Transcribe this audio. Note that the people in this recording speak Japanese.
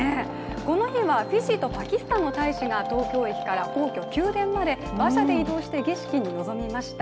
この日はフィジーとパキスタンの大使が東京駅から皇居・宮殿まで馬車で移動して儀式に臨みました。